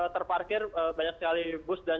terparkir banyak sekali bus dan